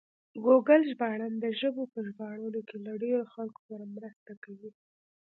ګوګل ژباړن د ژبو په ژباړلو کې له ډېرو خلکو سره مرسته کوي.